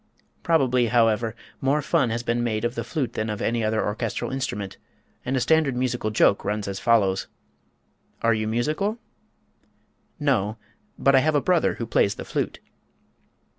Probably, however, more fun has been made of the flute than of any other orchestral instrument, and a standard musical joke runs as follows: "Are you musical?" "No, but I have a brother who plays the flute."